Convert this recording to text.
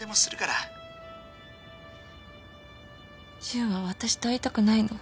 ジュンは私と会いたくないの？